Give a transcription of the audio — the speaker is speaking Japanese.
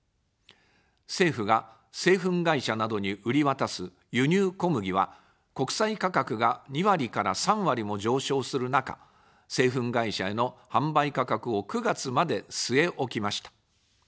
政府が製粉会社などに売り渡す輸入小麦は、国際価格が２割から３割も上昇する中、製粉会社への販売価格を９月まで据え置きました。